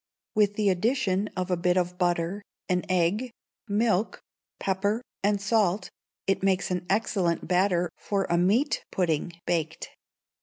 With the addition of a bit of butter, an egg, milk, pepper, and salt, it makes an excellent batter for a meat pudding baked.